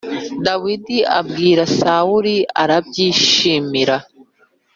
Dawidi abibwira Sawuli arabyishimira